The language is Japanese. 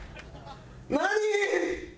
何！？